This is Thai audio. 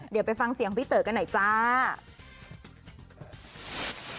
เดี๋ยวไปฟังเสียงพี่เต๋อกันหน่อยจ้า